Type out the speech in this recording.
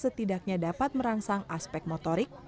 setidaknya dapat merangsang aspek motorik